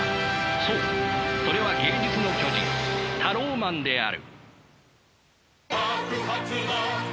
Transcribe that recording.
そうそれは芸術の巨人タローマンである。